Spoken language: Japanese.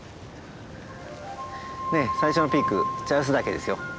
最初のピーク茶臼岳ですよ。